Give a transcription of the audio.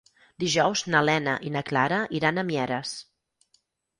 Dijous na Lena i na Clara iran a Mieres.